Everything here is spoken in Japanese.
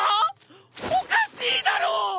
おかしいだろ！